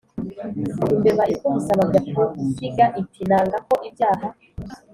lmbeba ikubise amabya ku ishyiga iti nanga ko ibyaha